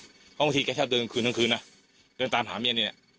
เขาบางทีกับเดินอีกทั้งคืนนะเดินตามหาเมียนี้เนี้ย